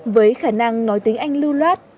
với khả năng nói tiếng anh lưu loát